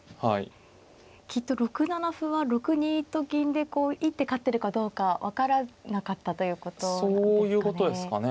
きっと６七歩は６二と金で一手勝ってるかどうか分からなかったということなんですかね。